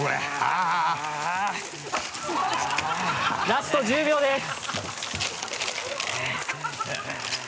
ラスト１０秒です。